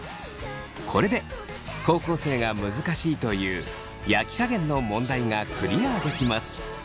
これで高校生が難しいという焼き加減の問題がクリアできます。